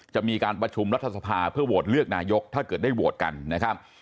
จะมีการประชุมรัฐสภาเพื่อโหวตเลือกนายกถ้าเกิดได้โหวตกันนะครับ